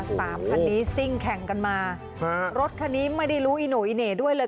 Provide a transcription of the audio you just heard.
สามคันนี้ซิ่งแข่งกันมาฮะรถคันนี้ไม่ได้รู้อีโห่อีเหน่ด้วยเลย